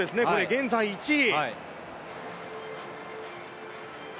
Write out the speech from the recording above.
現在１位。